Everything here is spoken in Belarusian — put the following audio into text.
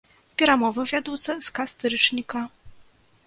Перамовы вядуцца з кастрычніка.